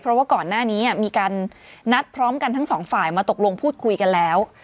เพราะว่าก่อนหน้านี้มีการนัดพร้อมกันทั้งสองฝ่ายมาตกลงพูดคุยกันแล้ว